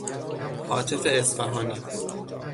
هاتف اصفهانی